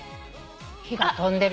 火が飛んでるよ。